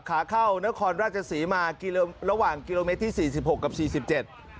ขาเข้านครราชศรีมากิโลระหว่างกิโลเมตรที่สี่สิบหกกับสี่สิบเจ็ด